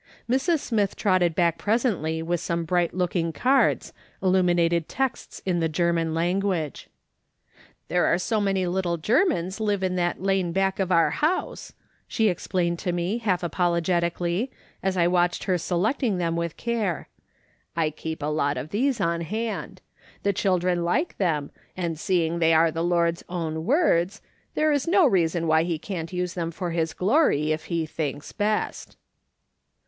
Mrs, Smith trotted back presently with some bright looli:ing cards, illuminated texts in the German language. " There are so many little Germans live in that lane back of our liouse," she explained to me half apologetically, as I watched her selecting them with care ;" I keep a lot of tliese on hand. The children like them, and seeing they are the Lord's own words, there's no reason why he can't use them for his glory if he thinks best."